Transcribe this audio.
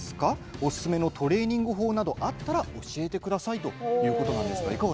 おすすめのトレーニング法などあったら教えてくださいということです。